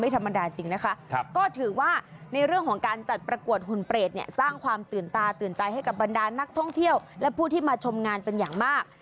ตื่นใจให้กับบรรดานนักท่องเที่ยวและผู้ที่มาชมงานเป็นอย่างมาก